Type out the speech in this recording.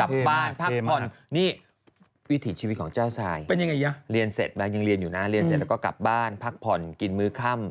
กลับบ้านพักผ่อนนี่วิถีชีวิตของเจ้าชายเรียนเสร็จแล้วก็กลับบ้านพักผ่อนกินมื้อค่ำ